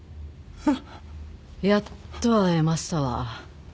やっと会えましたわ。